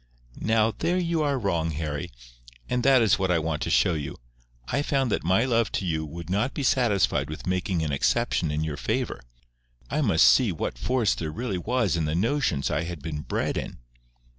"Now there you are wrong, Harry. And that is what I want to show you. I found that my love to you would not be satisfied with making an exception in your favour. I must see what force there really was in the notions I had been bred in."